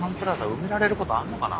埋められることあんのかな？